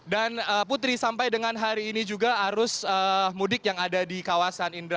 dan putri sampai dengan hari ini juga arus mudik yang ada di kawasan indra